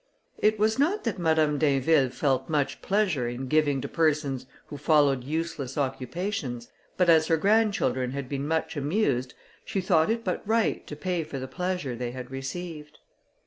It was not that Madame d'Inville felt much pleasure in giving to persons who follow useless occupations; but as her grandchildren had been much amused, she thought it but right to pay for the pleasure they had received.